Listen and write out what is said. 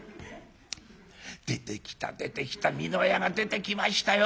出てきた出てきた美濃屋が出てきましたよ。